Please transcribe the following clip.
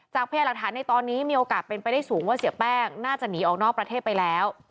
พยายามหลักฐานในตอนนี้มีโอกาสเป็นไปได้สูงว่าเสียแป้งน่าจะหนีออกนอกประเทศไปแล้ว